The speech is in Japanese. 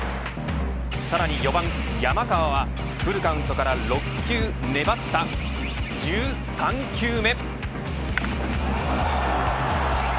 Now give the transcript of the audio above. さらに４番、山川はフルカウントから６球粘った１３球目。